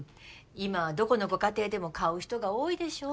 今はどこのご家庭でも買う人が多いでしょう？